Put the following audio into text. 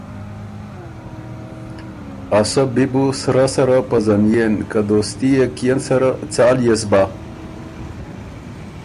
”ا سۀ بی بُو سرۀ سَرَه پزنئېن که دوستي يې کيېن سره، څال يې سُو بۀ؟“